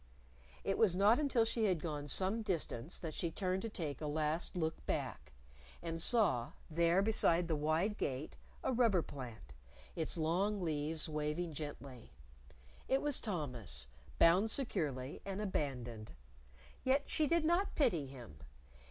It was not until she had gone some distance that she turned to take a last look back. And saw, there beside the wide Gate, a rubber plant, its long leaves waving gently. It was Thomas, bound securely, and abandoned. Yet she did not pity him.